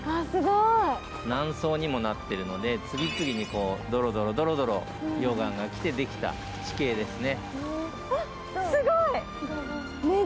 何層にもなっているので次々に、ドロドロドロドロ、溶岩が来て、できた地形ですね。